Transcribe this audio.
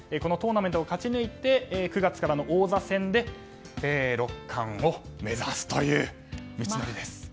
トーナメントを勝ち抜いて９月からの王座戦で六冠を目指すという道のりです。